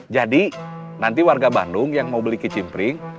jadi nanti warga bandung yang mau beli kicimpring